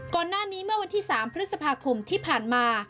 ก่อนหน้านี้เมื่อวันที่๓พฤษภาคมที่ผ่านมา